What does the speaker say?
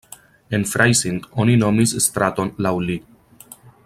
En Freising oni nomis straton laŭ li.